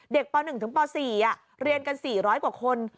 ป๑ถึงป๔เรียนกัน๔๐๐กว่าคน